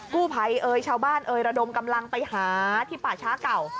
กู้ไพชาวบ้านระดมกำลังไปหาที่ป่าช้าเก่า